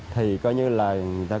thì coi như là